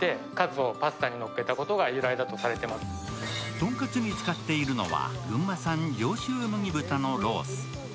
とんかつに使っているのは、群馬産上州麦豚のロース。